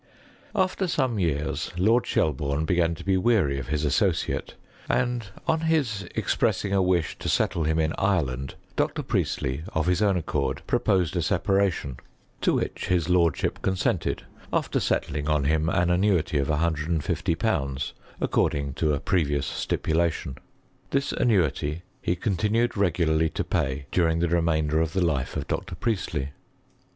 After some years Lord Shelbume began to be weary of his associate, and, on his expressing a wish to settle him in Ireland, Dr. Priestley of his own accord proposed a separation, to which his lordship con sented, after settling on him an annuity of 160/.^ according to a previous stipulation. This annuity ke continued regularly to pay during the remainder of the life of Dr. Priestley.